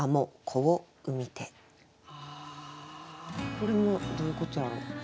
これもどういうことやろ？